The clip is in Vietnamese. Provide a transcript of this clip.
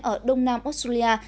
ở đông nam australia